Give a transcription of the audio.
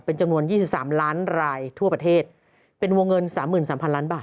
เป็นจำนวนยี่สิบสามล้านรายทั่วประเทศเป็นวงเงินสามหมื่นสามพันล้านบาท